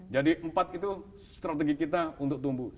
jadi empat itu strategi kita untuk tumbuh